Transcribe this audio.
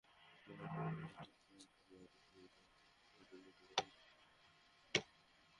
গোড়ালির ব্যথা কমাতে বাড়ি ফিরে বসে বসেই করে নিতে পারেন কয়েকটি ব্যায়াম।